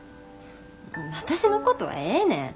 私のことはええねん。